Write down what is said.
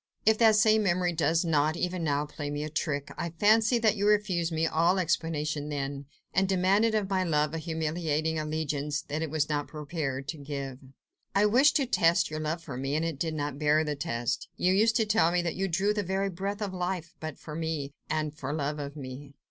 If that same memory does not, even now, play me a trick, I fancy that you refused me all explanation then, and demanded of my love a humiliating allegiance it was not prepared to give." "I wished to test your love for me, and it did not bear the test. You used to tell me that you drew the very breath of life but for me, and for love of me."